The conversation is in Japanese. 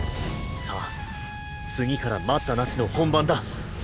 さあ次から待ったなしの本番だ！